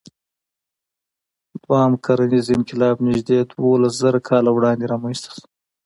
دوهیم کرنیز انقلاب نږدې دولسزره کاله وړاندې رامنځ ته شو.